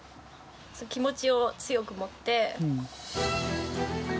気持ちを強く持って。